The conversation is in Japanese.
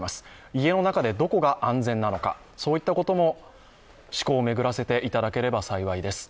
家の中でどこか安全なのかといったことも思考を巡らせていただければ幸いです。